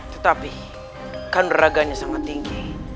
tetapi kan raganya sangat tinggi